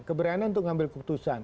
keberanian untuk mengambil keputusan